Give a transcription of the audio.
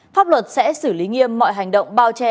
pháp luật sẽ xử lý nghiêm mọi hành động bao che